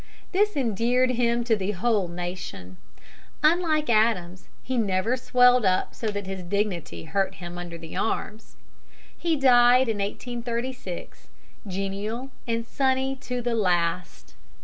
This endeared him to the whole nation. Unlike Adams, he never swelled up so that his dignity hurt him under the arms. He died in 1836, genial and sunny to the last.